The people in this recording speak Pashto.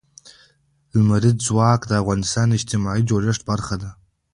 لمریز ځواک د افغانستان د اجتماعي جوړښت برخه ده.